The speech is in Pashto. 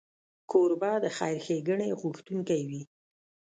کوربه د خیر ښیګڼې غوښتونکی وي.